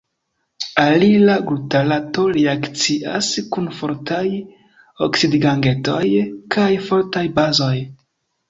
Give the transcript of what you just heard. Alila glutarato reakcias kun fortaj oksidigagentoj kaj fortaj bazoj.